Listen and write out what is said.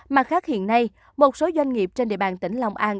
mặt khác hiện nay một số doanh nghiệp trên địa bàn tỉnh long an